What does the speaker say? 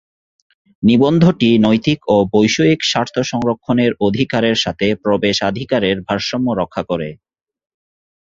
নিবন্ধটি নৈতিক ও বৈষয়িক স্বার্থ সংরক্ষণের অধিকারের সাথে প্রবেশাধিকারের ভারসাম্য রক্ষা করে।